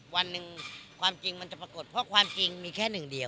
วันหนึ่งความจริงมันจะปรากฏเพราะความจริงมีแค่หนึ่งเดียว